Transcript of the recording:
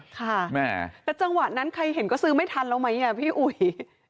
แต่จังหวัดนั้นใครเห็นก็ซื้อไม่ทันแล้วมั้ยอ่ะพี่อุ้ย